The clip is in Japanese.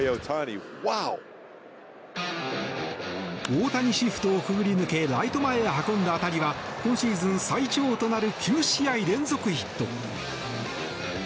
大谷シフトをくぐり抜けライト前へ運んだ当たりは今シーズン最長となる９試合連続ヒット。